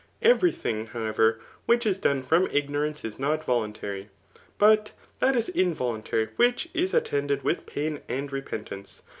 Every thing, however, which is done from ignoranee is not voluntary. But that is involuntary which is at^ tended with pain and repentance.